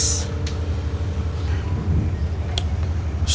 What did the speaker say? ini udah urusan level atas